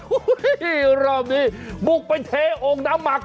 รอบนี้บุกไปเทองค์น้ำหมัก